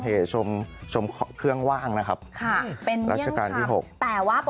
ข้างบัวแห่งสันยินดีต้อนรับทุกท่านนะครับ